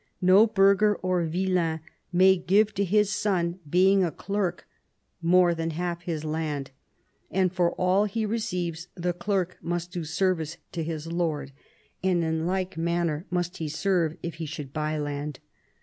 No burgher or villein may give to his son, being a clerk, more than half his land; and for all he receives the clerk must do service to his lord, and in like manner must he serve if he should buy land.